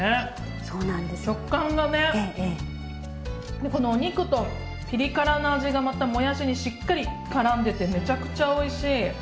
でこのお肉とピリ辛の味がまたもやしにしっかりからんでてめちゃくちゃおいしい。